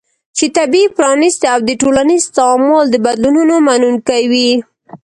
چې طبیعي، پرانستې او د ټولنیز تعامل د بدلونونو منونکې وي